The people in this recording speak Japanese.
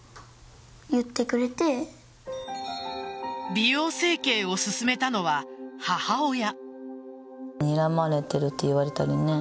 美容整形を勧めたのは母親。